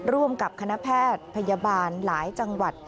ร่วมกับคณะแพทย์พยาบาลหลายจังหวัด